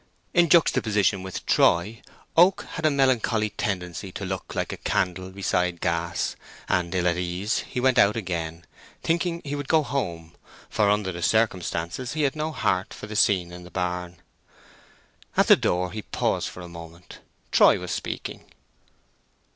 In juxtaposition with Troy, Oak had a melancholy tendency to look like a candle beside gas, and ill at ease, he went out again, thinking he would go home; for, under the circumstances, he had no heart for the scene in the barn. At the door he paused for a moment: Troy was speaking.